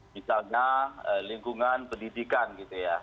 misalnya lingkungan pendidikan gitu ya